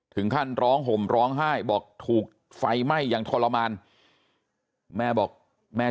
ถึงขั้นร้องห่มร้องไห้บอกถูกไฟไหม้อย่างทรมานแม่บอกแม่